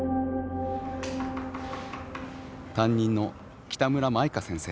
担任の北村麻以加先生。